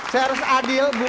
saya harus adil